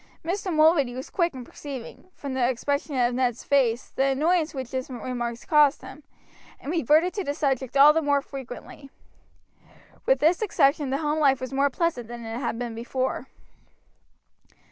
Mr. Mulready was quick in perceiving, from the expression of Ned's face, the annoyance which his remarks caused him, and reverted to the subject all the more frequently. With this exception the home life was more pleasant than it had been before.